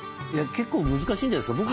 結構難しいんじゃないですか。